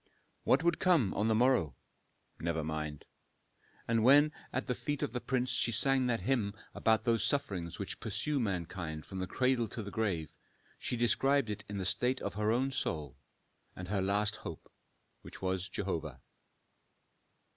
What would come on the morrow? Never mind. And when at the feet of the prince she sang that hymn about those sufferings which pursue mankind from the cradle to the grave, she described in it the state of her own soul, and her last hope, which was Jehovah.